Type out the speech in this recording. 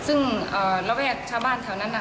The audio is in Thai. ซึ่งระแวกชาวบ้านแถวนั้น